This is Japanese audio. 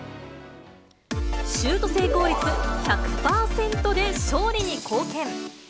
シュート成功率１００％で勝利に貢献。